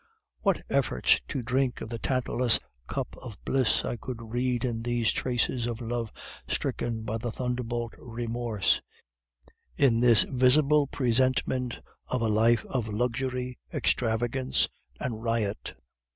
"'What efforts to drink of the Tantalus cup of bliss I could read in these traces of love stricken by the thunderbolt remorse in this visible presentment of a life of luxury, extravagance, and riot.